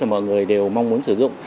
và mọi người đều mong muốn sử dụng